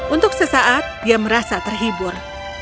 untuk sesaat dia merasa terhibur